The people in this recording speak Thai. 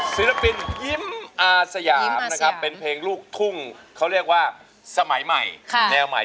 ศิลปินยิ้มอาสยามนะครับเป็นเพลงลูกทุ่งเขาเรียกว่าสมัยใหม่แนวใหม่